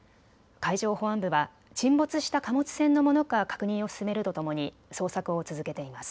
海上保安部は沈没した貨物船のものか確認を進めるとともに捜索を続けています。